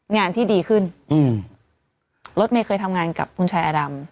งานที่ดีขึ้นอืมรถเมย์เคยทำงานกับคุณชายอดำ